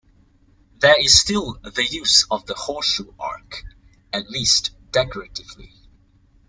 There is still the use of the horseshoe arch, at least decoratively.